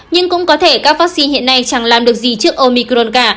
nhưng cũng có thể các vaccine hiện nay chẳng làm được gì trước omicron cả